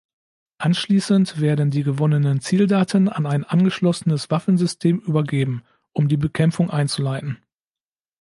Anschließend werden die gewonnenen Zieldaten an ein angeschlossenes Waffensystem übergeben, um die Bekämpfung einzuleiten.